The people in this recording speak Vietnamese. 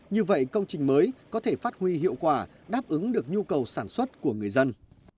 như vậy công trình mới có thể phát huy hiệu quả đáp ứng được nhu cầu sản xuất của người dân